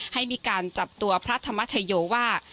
ให้มีการจับตัวพระธรรมชโยว่า